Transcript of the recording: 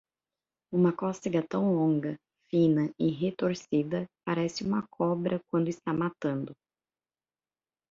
Uma cócega, tão longa, fina e retorcida, parece uma cobra quando está matando.